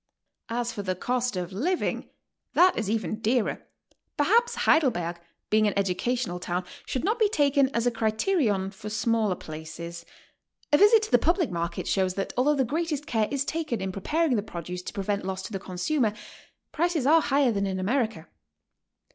''As for the cost of living, that is even dearer. Perhaps Heidelberg, oeing an educational town, should not b»e taken as a criterion for smaller places. A visit to the public market shows that, although the greatest care is taken in preparing the produce to prevent loss to the consumer, prices are higher than in America.